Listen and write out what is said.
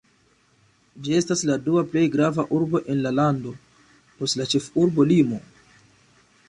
Ĝi estas la dua plej grava urbo en la lando, post la ĉefurbo Limo.